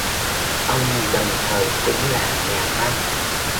Ông đồng thời cũng là nhà văn